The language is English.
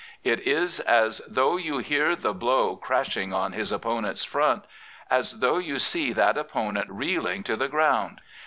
It is as though you hear the blow crash ing on his opponent's front, as though you see that opponent reeling to the ground.